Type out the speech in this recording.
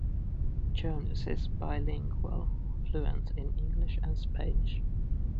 Jones is bilingual, fluent in English and Spanish.